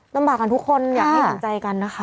ลำบากกันทุกคนอยากให้เห็นใจกันนะคะ